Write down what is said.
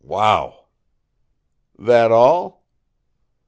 Wow!" "That all?"